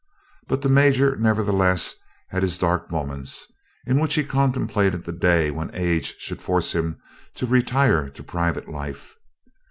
But the Major, nevertheless, had his dark moments, in which he contemplated the day when age should force him to retire to private life.